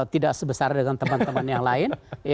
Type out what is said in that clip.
tidak sebesar dengan teman teman